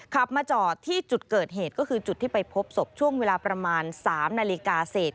ขับมาจอดที่จุดเกิดเหตุก็คือจุดที่ไปพบศพช่วงเวลาประมาณ๓นาฬิกาเศษ